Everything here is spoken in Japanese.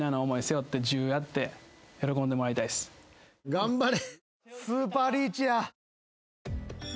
頑張れ！